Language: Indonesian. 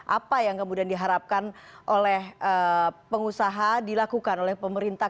apa yang kemudian diharapkan oleh pengusaha dilakukan oleh pemerintah